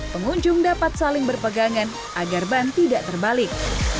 pengunjung dapat saling berpegangan agar ban tidak terbalik